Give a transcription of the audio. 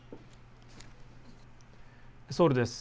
ソウルです。